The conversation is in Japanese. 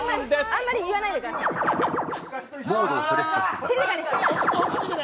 あんまり言わないでくださいね